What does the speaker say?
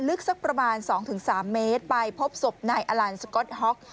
ลึกสักประมาณสองถึงสามเมตรไปพบศพนายอลันด์สก็อตฮ็อก